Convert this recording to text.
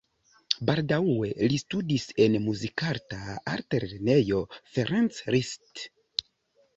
Baldaŭe li studis en Muzikarta Altlernejo Ferenc Liszt.